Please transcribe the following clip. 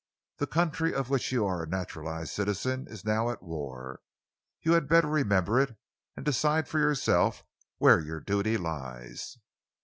The country of which you are a naturalised citizen is now at war. You had better remember it, and decide for yourself where your duty lies."